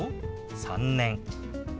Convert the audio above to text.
「３年」。